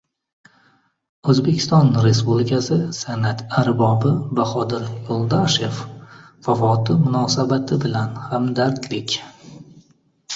O‘zbekiston Respublikasi san’at arbobi Bahodir Yo‘ldoshev vafoti munosabati bilan hamdardlik